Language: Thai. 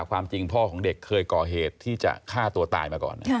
ความจริงพ่อของเด็กเคยก่อเหตุที่จะฆ่าตัวตายมาก่อน